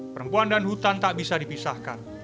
perempuan dan hutan tak bisa dipisahkan